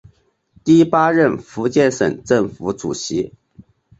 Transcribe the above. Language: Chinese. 第八任福建省政府主席。